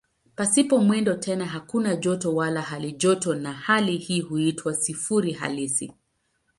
Pasipo mwendo tena hakuna joto wala halijoto na hali hii huitwa "sifuri halisi".